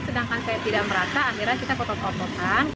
sedangkan saya tidak merasa akhirnya kita kotot kopokan